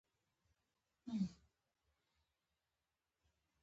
د ټیم کار د پرمختګ لپاره مهم دی.